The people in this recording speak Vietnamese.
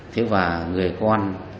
thế và người con